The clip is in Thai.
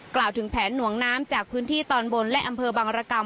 กล่าวถึงแผนหน่วงน้ำจากพื้นที่ตอนบนและอำเภอบังรกรรม